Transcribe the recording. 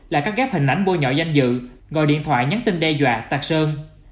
là các gáp hình ảnh bôi nhỏ danh dự gọi điện thoại nhắn tin đe dọa tạc sơn